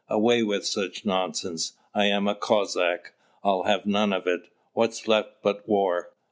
Away with such nonsense! I am a Cossack; I'll have none of it! What's left but war?